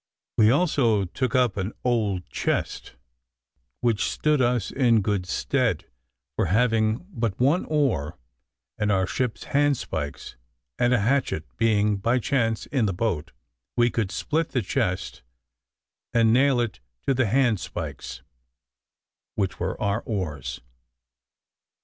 We also took up an old chest, which stood us in good stead, for having but one oar, and our ship's handspikes, and a hatchet being by chance in the boat, we could split the chest, and nail it to the handspikes, which were our oars.